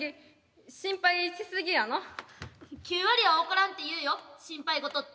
９割は起こらんっていうよ心配事って。